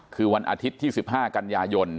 คือวันอาทิตย์๒๕กย